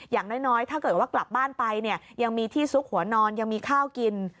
อย่างน้อยถ้าเกิดว่ากลับบ้านไปเนี่ยยังมีที่ซุกหัวนอนยังมีข้าวกิน